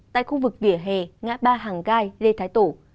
tại khu vực vỉa hè ngã ba hàng gai lê thái tổ